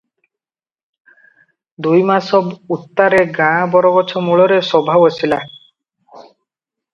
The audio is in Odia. ଦୁଇମାସ ଉତ୍ତାରେ ଗାଁ ବରଗଛ ମୂଳରେ ସଭା ବସିଲା ।